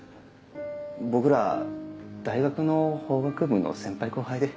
僕ら大学の法学部の先輩後輩で。